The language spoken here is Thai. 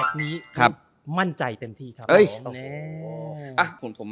แมทนี้มั่นใจเต็มที่ครับ